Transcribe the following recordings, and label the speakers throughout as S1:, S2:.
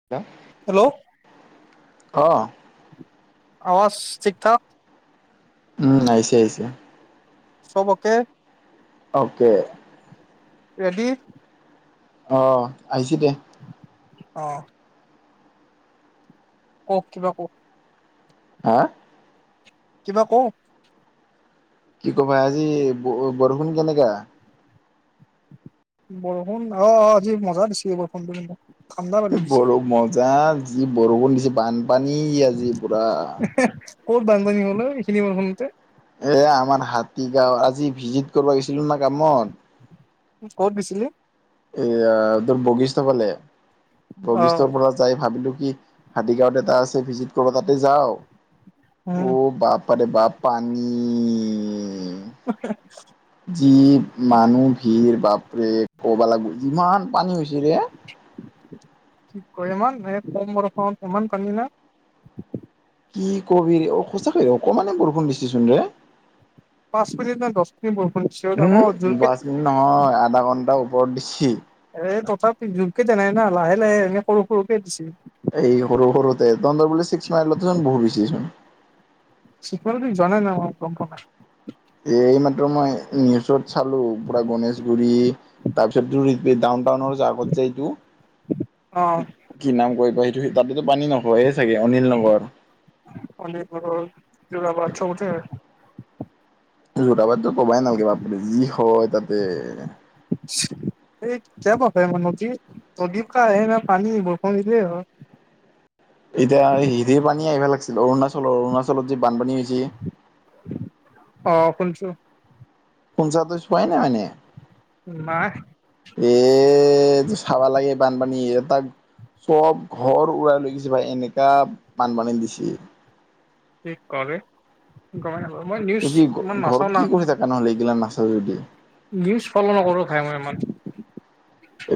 S1: [unintelligible]
S2: Hello.
S1: অ
S2: আৱাজ ঠিক থাক
S1: উম, আহিছে-আহিছে।
S2: চব অকে
S1: অকে।
S2: ৰেদি
S1: অ, আহিছে দিয়া।
S2: অ', কওক কিবা কওক
S1: হা।
S2: কিবা কওক।
S1: কি কবা আজি বৰষুণ কেনেকা।
S2: বৰষুণ অ আজি মজা দিছে বৰষুণটো কিন্তু। ঠাণ্ডা পেলাই দিছে
S1: বৰো মজা যি বৰষুণ দিছে বানপানী আজি পুৰা।
S2: হে ক'ত বানপানী হ'ল ঐ এইখিনি বৰষুণতে।
S1: এ আমাৰ হাতী গাঁও আজি ভিজিট কৰিব গৈছিলো না কামত।
S2: ক'ত গৈছিলি?
S1: এয়া তোৰ বগীষ্ট ফালে
S2: অ
S1: বগীষ্টৰ পৰা যাই ভাবিলো কি। হাতীগাঁৱত এটা আছে ভিজিট কৰিব তাতে যাও
S2: উম
S1: ঔ বাপ। পাৰে বাপা পানী।
S2: [unintelligible]
S1: যি মানুহ ভিৰ বাপৰে কবা লাগিব যিমান পানী হৈছে ৰে।
S2: ঠিক কৰেমান এ কম বৰষুণত ইমান পানী না।
S1: কি ক'বি! অ' সঁচাকৈ অকমানে বৰষুণ দিছেচোন ৰে!
S2: পাঁচ মিনিট নে দহ মিনিট বৰষুণ দিছে আকৌ
S1: উম
S2: জোৰকে
S1: বাচ মিনিট নহয় আধা ঘন্টাৰ ওপৰত দিছি।
S2: এই তথাপি জোৰকে দিয়া নাই না! লাহে লাহে এনে সৰু সৰুকে দিছে।
S1: এই সৰু সৰুতে, তহঁতৰ বোলে ছিক্স মাইলতো চোন বহুত বেছিচোন।
S2: ছিক্স মাইলৰ পিনে যোৱা নাই নহয় মই, গম নাপাওঁ।
S1: এইমাত্ৰ মই নিউজত চালো, পুৰা গণেশগুৰি। তাৰপিছত তোৰ এইটো ডাউন টাউনৰ আগত যে এইটো কি নাম কয় বা সেইটো, হে তাততো পানী নহয়েই চাগে! অনিল নগৰ।
S2: অনিল নগৰ, যোৰাবাট চবতে
S1: যোৰাবাটটো কবাই নালাগে বাপৰে যি হয় তাতে!
S2: [unintelligible] প্ৰদীপ [unintelligible] আহে নে পানী, বৰষুণ দিলে হয়।
S1: এতিয়া হিৰিৰ পানী আহিবা লাগছিল, অৰুণাচলৰ, অৰুণাচলত যে বানপানী হৈছি!
S2: অ' শুনছো।
S1: শুনচা, তই চোৱাই নাই মানে!
S2: নাই
S1: এ তই চাবা লাগে বানপানী, এ তাত চব ঘৰ উৰাই লৈ গৈছে ভাই, এনেকা বানপানী দিছে।
S2: কি ক বে, গমাই নাপাওঁ, মই
S1: ত
S2: নিউজ
S1: কি
S2: ইমান
S1: ঘৰত
S2: নাচাওঁ
S1: কি
S2: না!
S1: কৰি থাকা নহ'লে এইগিলা নাচা যদি!
S2: নিউজ ফ'ল' নকৰো ভাই মই ইমান!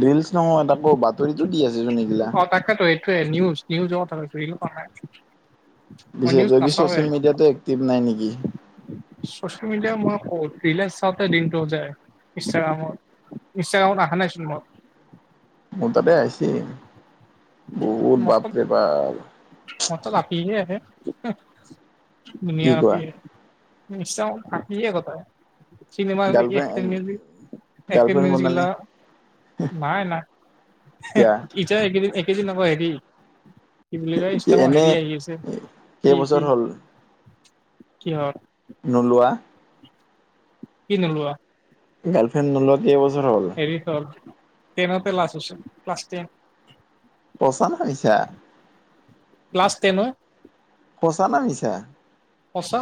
S1: ৰিলচ নহয় তাকো আকৌ বাতৰিতো দি আছেচোন এইগিলা।
S2: অ' তাকেটো এই টোৱে নিউজ, নিউজৰ কথা কৈছোঁ। ৰীল কোৱা নাই। মই
S1: পিছে
S2: নিউজ
S1: তই
S2: নাচাওৱে
S1: চচিয়েল মিডিয়াতো এক্টিভ নাই নেকি?
S2: চচিয়েল মিডিয়া মই ক'ত, ৰীলেই চাওঁতে দিনটো যায় ইনষ্টাগ্ৰামত। ইনষ্টাগ্ৰামত আহা নাইচোন মোৰ।
S1: মোৰ তাতে আহিচি
S2: মোৰ
S1: বাপ
S2: তাত আপীহে আহে। হুহ ধুনীয়া
S1: কি কোৱা
S2: আপী আহে। ইনষ্টাগ্ৰামত আপীয়ে গোটেই।
S1: গাৰ্লফ্ৰেণ্ড গাৰ্লফ্ৰেণ্ড বনালি
S2: চিনেমা [unintelligible] নাই নাই। হেহ,
S1: কিয়া
S2: ইতা একেদিন, একেদিন আকৌ হেৰি। কি বুলি কয় ইনষ্টাগ্ৰামত
S1: এনে
S2: হেৰি আহি আছে। কি
S1: কেইবছৰ
S2: কি?
S1: হ'ল
S2: কিহত?
S1: নোলোৱা।
S2: কি নোলোৱা?
S1: গাৰ্লফ্ৰেণ্ড নোলোৱা কেইবছৰ হ'ল?
S2: হেৰি হ'ল টেনতে লাষ্ট আছিল। Class ten.
S1: সঁচা নে মিছা?
S2: ক্লাছ টেন অই
S1: সঁচা না মিছা?
S2: সঁচা।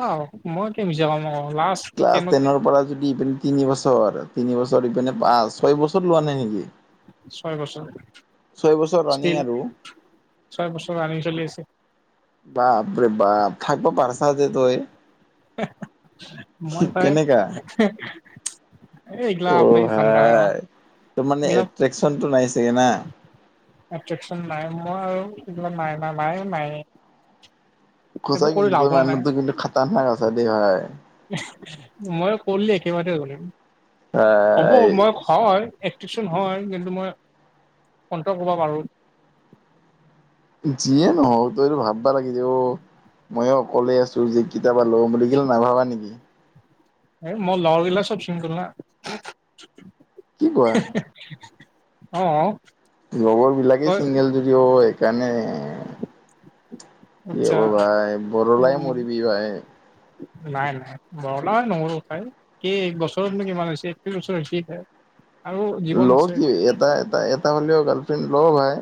S2: মই কিয় মিছা ক'ম আক'! লাষ্ট
S1: ক্লাছ
S2: টেনত
S1: টেনৰ পৰা যদি ইপিনে তিনি বছৰ, তিনিবছৰ ইপিনে পাঁচ, ছয় বছৰ লোৱা নাই নেকি?
S2: ছয় বছৰ
S1: ছয় বছৰ
S2: ষ্টিল
S1: ৰানিং আৰু!
S2: ছয় বছৰ ৰানিং চলি আছে।
S1: বাপ ৰে বাপ, থাকব পাৰছা যে তই!
S2: মই পায়
S1: কেনেকা
S2: [unintelligible]
S1: অ' ভাই! তোৰ মানে
S2: এইগিলা
S1: এট্ৰেকচনটো নাই চাগে না?
S2: এট্ৰেকচন নাই। মই আৰু এইগ্লা নাই বা নাই নাই। এইবোৰ
S1: সচাই
S2: কৰি
S1: কিন্তু তই
S2: লাভো নাই
S1: মানুহটো কিন্তু খাটাৰনাক আছা দেই ভাই।
S2: মই কৰলি একেবাৰে কৰিম,
S1: ভাই
S2: হ'ব মই ঘই এট্ৰেকচন হয়, কিন্তু মই কণ্ট্ৰল কৰবা পাৰোঁ।
S1: যিয়ে নহওক, তই এইটো ভাবিবা লাগি যে অ'। ময়ো অকলেই আছো, যি কিতা পালোঁ, লওঁ বুলি কিলে নাভাবা নেকি?
S2: এ মই লাও বিলাক চব ছিংগল না
S1: কি কোৱা
S2: [unintelligible] অ।
S1: লগৰ বিলাকেই
S2: তই
S1: চিংগল যদি অ এইকাৰণে। কি হ'ব
S2: আচ্ছা
S1: ভাই বৰলাই
S2: উম,
S1: মৰিবি ভাই।
S2: নাই নাই বৰলা হৈ নমৰো ভাই। কি এক বছৰতনো কিমান হৈছে একত্ৰিশ ওচৰ হৈছি হে।
S1: ল' কি এটা এটা এটা হলেও গাৰ্লফ্ৰেণ্ড ল' ভাই।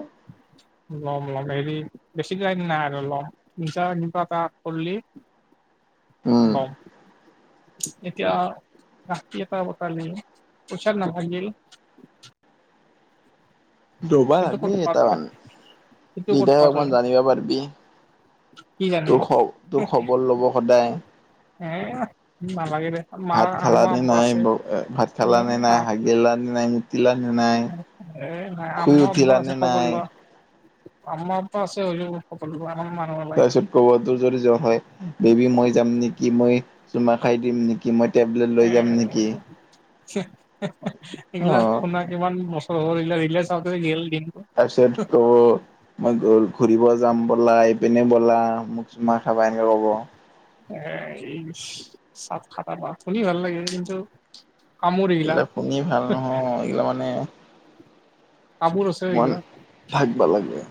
S2: ল'ম ল'ম। হেৰি বেছি দিন নাই আৰু ল'ম। নিজা কিবা এটা কৰলি
S1: উম
S2: লম। এতিয়া আপি এটা পতালি পইছা নাথাকিল
S1: দবা
S2: কিন্তু
S1: দি
S2: ক'ত পা তই
S1: এটামান।
S2: সেইটো ক'ত
S1: দিটাহে
S2: পা তই
S1: অকমান জানিবা পাৰবি।
S2: [inaudible]
S1: তোৰ খ তোৰ খবৰ ল'ব সদায়।
S2: এ নালাগে দে মাৰ
S1: ভাত খাল
S2: আম্মা
S1: নে
S2: আব্বা
S1: নাই?
S2: আছে
S1: ব ভাত
S2: এ
S1: খালা নে নাই হা গিলা নে নাই, মুতিলা নে নাই,
S2: এ নাই
S1: শুই
S2: আম্মা আব্বা
S1: উঠিলা
S2: আছে
S1: নে
S2: খবৰ
S1: নাই?
S2: লোৱা আম্মা বাপা আছে হ'লেও সকলোবোৰ আমাৰ মানুহৰ লাইফ
S1: তাৰপিছত ক'ব তোৰ যদি জ্বৰ হয় বেবী মই যাম নেকি? মই চুমা খাই দিম নেকি? মই টেবলেট
S2: [unintelligible]
S1: লৈ
S2: এ
S1: যাম নেকি
S2: এইগিলা
S1: অ
S2: শুনা ইমান বছৰ হ'ল। এইগিলা ৰিলে চাওঁতে গেল দিনবোৰ।
S1: তাৰপিছত ক'ব মই ঘূ ঘূৰিব যাম ব'লা। এইপিনে ব'লা। মোক চুমা খাবা এনকে ক'ব।
S2: এ এই চব খাটাৰনাক। শুনি ভাল লাগে কিন্তু
S1: এইগিলা শুনি ভাল নহয়, এইগিলা মানে
S2: কামোৰ আছে
S1: মন
S2: এইগিলা
S1: থাকবা লাগে।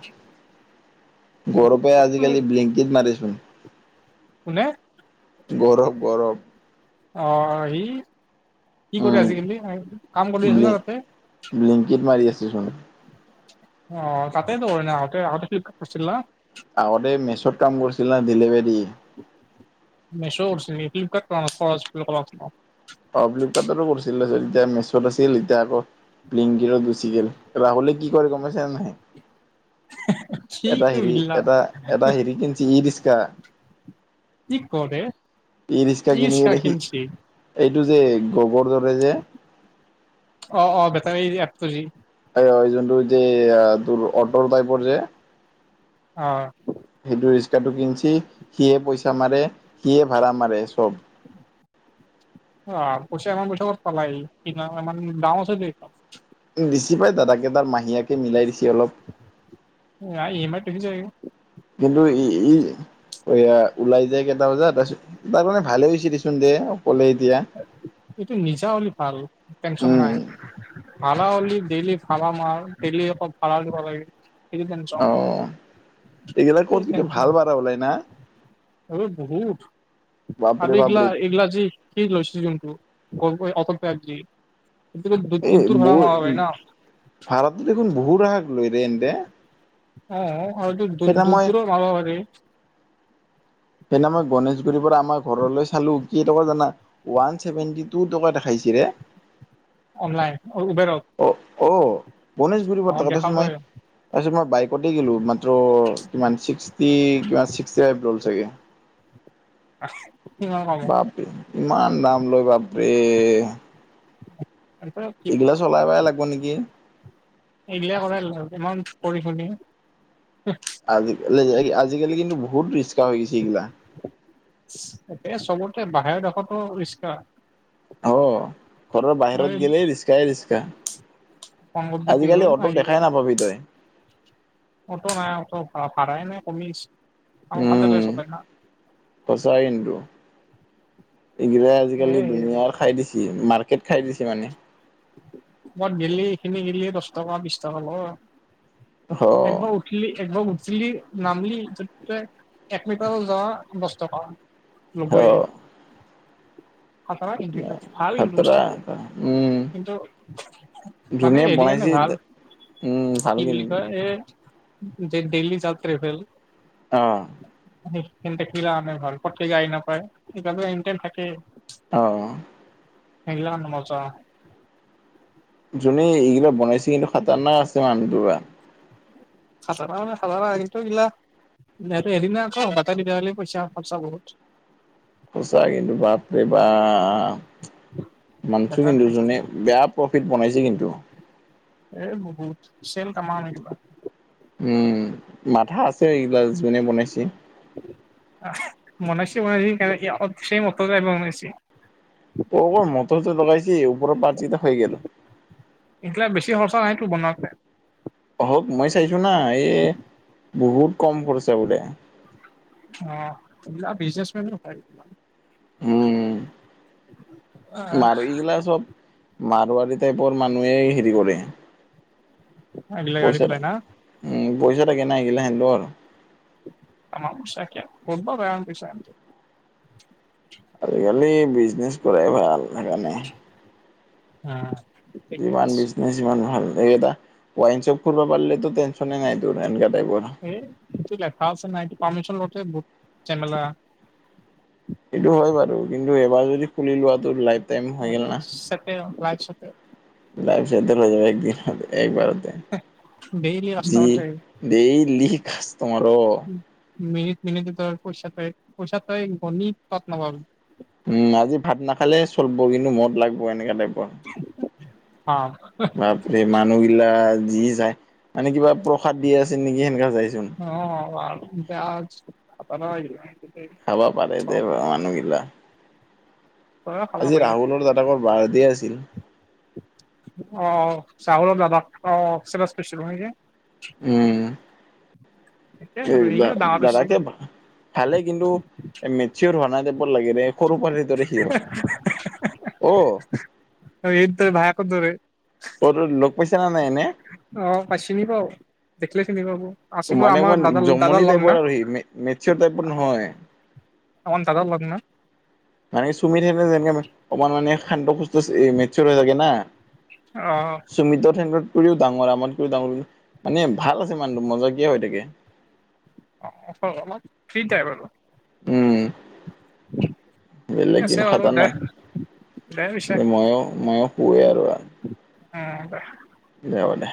S1: গৌৰৱে আজি-কালি
S2: কোনে
S1: ব্লেংকিত মাৰেচোন।
S2: কোনে?
S1: গৌৰৱ, গৌৰৱ।
S2: অ হি কি কৰে
S1: উম
S2: আজিকালি? কাম কৰি আছে
S1: ব্লিং
S2: ন তাতে?
S1: ব্লিংকিত মাৰি আছেচোন।
S2: অ তাতেটো। এনে আহোতে আহোতেটো কৰছিল না।
S1: আগতে মেচোত কাম কৰিছিল না ডেলিভাৰী।
S2: মেছো কৰছিলে, ফ্লিপকাৰ্ট [unintelligible]
S1: অ ফ্লিপকাৰ্টতো কৰছিল। তাৰপিছত এতিয়া মেচোত আছিল এতিয়া আকৌ ব্লিনকিটত গুচি গে। ৰাহুলে কি কৰে গম পাইছা নাই?
S2: সি
S1: এটা হেৰি
S2: এইগিলা
S1: এটা এটা হেৰি কিনছি ই ৰিচকা।
S2: কি ক ৰে? ই
S1: কিনি
S2: ৰিক্সা
S1: কিনে সি
S2: কিনচি?
S1: এইটো যে গবৰ দৰে যে।
S2: অ, অ বেটাৰী যি এপটো যি।
S1: এই অ যোনটো যে তোৰ অটৰ টাইপৰ যে।
S2: অ।
S1: সেইটো ৰিক্সাটো কিনছি, সিয়ে পইচা মাৰে, সিয়ে ভাড়া মাৰে চব।
S2: অ পইচা ইমান পইচা ক'ত পালাক সি? [unintelligible] দাম আছে দে সেইখান।
S1: দিছি পাই দাদাকে তাৰ মাহীয়েকে মিলাই দিছে অলপ।
S2: নাই ইয়েমাইত [unintelligible]
S1: কিন্তু, ই, ই এইয়া, ওলাই যায় কেইটা বজাত, তাৰপিছত, তাৰ মানে, ভালে হৈছে দেচোন, দে! অকলে এতিয়া।
S2: এইটো নিজা হ'লে, ভাল! টেনচন
S1: উম
S2: নাই। ভাড়া হ'লে, ডেইলি ভাড়া মাৰ, ডেইলি অলপ ভাড়া দিব লাগে। সেইটো টেনচন
S1: অ, এইগিলা
S2: এই
S1: ক'ত কিন্তু ভাল ভাড়া ওলাই না?
S2: এই বহুত আৰু
S1: বাপৰে
S2: আবে এইগলা
S1: বাপৰে
S2: এইগলা আজি যি লৈছে যোনটো [unintelligible] [unintelligible] ন।
S1: ভাৰতত দেখোন বহুত সহায় কৰিলে, এনেতে।
S2: অ'! আৰু দূৰ-
S1: মই
S2: দূৰ [unintelligible]
S1: সেইদিনা মই, গণেশগুৰিৰ পৰা আমাৰ ঘৰলৈ চালোঁ, কেই টকা জানা? ওৱান ছেভেন্টি-টু টকা দেখাইছে ৰে।
S2: অনলাইন। অ'! উবেৰত?
S1: অ' অ'! গণেশগুৰি
S2: অ
S1: [unintelligible]
S2: দেখা
S1: তাৰপিছত,
S2: পাই
S1: মই বাইকতেই গলোঁ। মাত্ৰ, কিমান? ছিক্সটি, কিমান? ছিক্সটি ফাইভ ল'লে ছাগে।
S2: [unintelligible]
S1: বাপৰে! ইমান দাম লয় বাপৰে!
S2: [unintelligible]
S1: এইগিলা চলাবই লাগিব নেকি?
S2: এইগিলা কৰাই, ইমান পঢ়ি- শুনি।
S1: আজিকালি, আজিকালি কিন্তু, বহুত ৰিক্সা হৈ গৈছে, এইগিলা।
S2: এ, চবতে। বাহিৰৰ দেশতো ৰিক্সা।
S1: অ'! ঘৰৰ
S2: এই
S1: বাহিৰত গেলে, ৰিক্সায়ে ৰিক্সা। আজিকালি, অটোত দেখাই নাপাবি তই।
S2: অট নাই, অট ভাড়াই নাই, কমি আহিছে। [unintelligible]
S1: সঁচা কিন্তু, ইগিলাই
S2: এ
S1: আজিকালি, দুুনীয়াৰ খাই দিছে। মাৰ্কেট খাই দিছে, মানে।
S2: মই ডেইলি, এইখিনি ডেইলি, দহ টকা, বিশ টকা লওঁ আৰু।
S1: হ
S2: একদম উঠিলি, একবাৰ উঠিলি, নামিলি। তই এক মিটাৰ যাওঁ, দহ টকা।
S1: হ
S2: ল'বই।
S1: খাতৰা
S2: [unintelligible]
S1: উম
S2: কিন্তু, মানে,
S1: যোনে
S2: সেইটো কাৰণে
S1: বনাইছে
S2: ভাল।
S1: উম ভাল
S2: কি বুলি
S1: কিন্তু
S2: কয়! এ, যে ডেইলী যাওঁত ট্ৰেভেল।
S1: অ'!
S2: সেই গিলা মানে, ভাল। পতকে, গাড়ী নাপায়, সেইয়ে থাকেই।
S1: অ' অ'!
S2: [unintelligible]
S1: যোনে, এইগিলা বনাইছে, কিন্তু, খাতাৰনাক আছে মানুহটো পূৰা।
S2: [unintelligible] এইটো এদিনে আ'ক। [unintelligible] পইচা খৰচা বহুত।
S1: সঁচা কিন্তু। বাপৰে বা! মানিছোঁ
S2: বেটাৰী
S1: কিন্তু। যোনে, বেয়া প্ৰফিট বনাইছে, কিন্তু।
S2: এ, বহুত। চেল কামাও নে কিবা?
S1: উম! উম! মাথা আছে, এইগিলা যোনে বনাইছে।
S2: বনাইছে, বনাইছে, সি কেনেকে, [unintelligible] ছেইম অকলে বনাইছে।
S1: অকল মটৰটো লগাইছে, ওপৰ পাতকেইটা খাই গ'ল।
S2: এইগিলা বেছি খৰচা নাইটো বনাওঁতে?
S1: [unintelligible] মই চাইছোঁ না। এই, বহুত কম খৰচা বোলে।
S2: অ'! এইবিলাক বিজনেচমেন হপায়।
S1: উম! [unintelligible] মাৰোৱাৰাৰী টাইপৰ, মানুহে হেৰি কৰে। পইচা দে? উম! পইচা [unintelligible]
S2: [unintelligible]
S1: আজিকালি বিজনেচ কৰাই ভাল সেইকাৰণে
S2: অ'!
S1: যিমান বিচ যিমান ভাল এইটা ৱাইন চপ খোলব পাৰলে ত টেনশনে নাই তোৰ এনেকুৱা টাইপৰ
S2: এই কি লেখা আছে নাই পাৰ্মিচন লৌতে বহুত জেমেলা
S1: এইটো হয় বাৰু কিন্তু এবাৰ যদি খুলি লোৱাটো লাইফ টাইম হৈ
S2: ভালে
S1: গ'ল না
S2: আছে, চেটে লাইফ চেটে
S1: লাইফ ছেটেল হৈ যাব একদিন একবাৰতে
S2: ডেইলি
S1: জি
S2: কাষ্টমাৰ থাকে
S1: দেই লি কাষ্টমাৰ অ
S2: মিনিট মিনিট তই পইচাটো পইচা তই গণী পাত নাপাবি।
S1: উম আজি ভাত নাখালে চলিব কিন্তু মদ লাগব এনেকা টাইপৰ।
S2: আ।
S1: বাপৰে মানুহগিলা যি যায় মানে কিবা প্ৰসাদ দি আছে নেকি সেনেকা যাই চোন।
S2: অ আ বেয়াজ [unintelligible]
S1: খাবা পাৰে দে মানুহগিলা
S2: বেয়া খাব
S1: আজি
S2: লাগে
S1: ৰাহুলৰ দাদাকৰ বাৰ্থডে আছিল।
S2: অ চাহুল দাদা অ [unintelligible] হয়নে
S1: উম। এ
S2: সিও ডাঙৰ হৈছে,
S1: দাদাকে ভালে কিন্তু মেচিয়ৰ হোৱা নাই টাইপৰ লাগে ৰে- সৰু পাৰে দৰে সি অ
S2: এইট তই ভাইকৰ দৰে।
S1: তই ত লগ পাইছা না নাই এনে
S2: অ পাই চিন পাওঁ, দেখিলে চিনি পাব। আছিফো
S1: মানে
S2: আমাৰ
S1: মই
S2: দাদাৰ দাদাৰ
S1: জমনি
S2: লগ না,
S1: টাইপৰ আৰু সি মেছিয়ৰ টাইপৰ নহয়।
S2: অকণ তালত লগ ন
S1: মানে চুমি থাকে যেনেকে অকমান মানে শান্ত সূস্ত মেচিয়ৰ হৈ থাকে না।
S2: অ।
S1: সুমিতৰ সেন্দত কৰিও ডাঙৰ আমত কৰিও ডাঙৰ মানে ভাল আছে মানুহ মজাকিয় হৈ থাকে।
S2: অ অলপ ফ্ৰীটাইপ আৰু।
S1: উম।
S2: ঠিক
S1: বেলেগ
S2: আছে
S1: দিন
S2: বাৰু
S1: খাটাৰ
S2: দে
S1: নাই
S2: দে পিছে
S1: ময়ো ময়ো শুৱে আৰু
S2: উম দে।
S1: দে হ'ব দে।